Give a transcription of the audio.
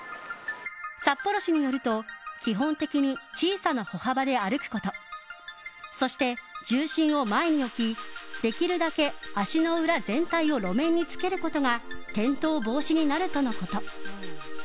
札幌市によると基本的に小さな歩幅で歩くことそして重心を前に置きできるだけ足の裏全体を路面に着けることが転倒防止になるとのこと。